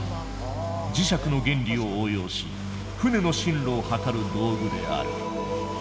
磁石の原理を応用し船の針路を測る道具である。